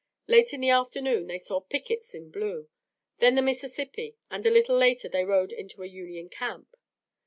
Late in the afternoon they saw pickets in blue, then the Mississippi, and a little later they rode into a Union camp.